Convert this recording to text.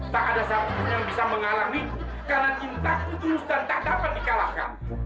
tak ada satupun yang bisa mengalami karena cintaku tulus dan tak dapat dikalahkan